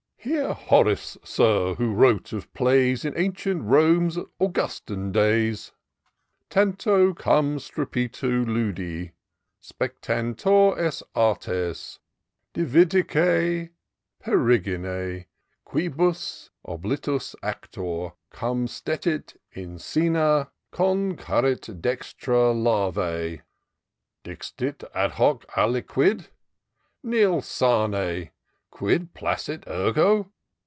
Hear Horace, Sir, who wrote of plays In ancient Rome's Augustan days :—^ Tanto cum strepitu ludi spectantur, et artes, Divitiaque peregrifUB : quibm oblitus actor Cum stetit in Scena^ concurrit dextera kevee. Diait adhuc aliquid ? nil sane. Quid placit ergo